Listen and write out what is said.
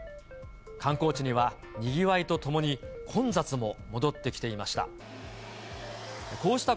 観光地にはにぎわいとともに、混雑も戻ってきていました。